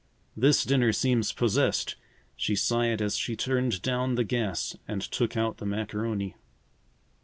"This dinner seems possessed," she sighed as she turned down the gas and took out the macaroni.